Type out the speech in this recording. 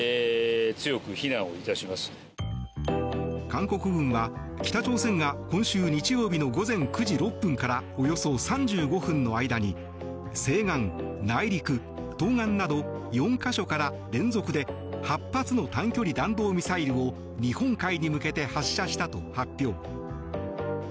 韓国軍は、北朝鮮が今週日曜日の午前９時６分からおよそ３５分の間に西岸、内陸、東岸など４か所から連続で８発の短距離弾道ミサイルを日本海に向けて発射したと発表。